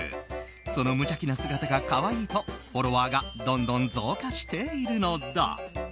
その無邪気な姿が可愛いとフォロワーがどんどん増加しているのだ。